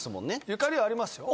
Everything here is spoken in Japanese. ゆかりありますよ。